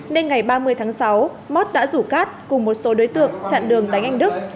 nên ngày ba mươi tháng sáu mót đã rủ cát cùng một số đối tượng chặn đường đánh anh đức